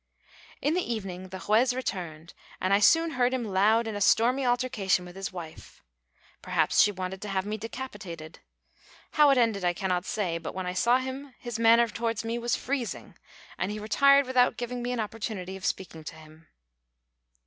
In the evening the Juez returned, and I soon heard him loud in a stormy altercation with his wife. Perhaps she wanted him to have me decapitated. How it ended I cannot say; but when I saw him his manner towards me was freezing, and he retired without giving me an opportunity of speaking to him.